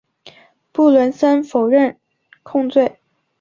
布伦森否认控罪。